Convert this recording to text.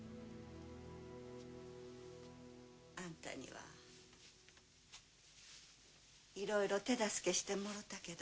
アンタにはいろいろ手助けしてもろうたけど。